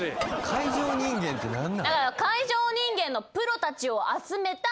海上人間って何なん？